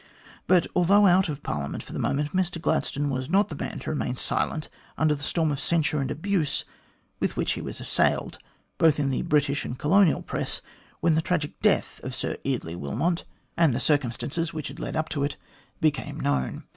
But although out of Parliament for the moment, Mr Gladstone was not the man to remain silent under the storm of censure and abuse with which he was assailed, both in the British and Colonial Press, when the tragic death of Sir Eardley Wilmot, and the circum 164 THE GLADSTONE COLONY stances that had led up to it, became known.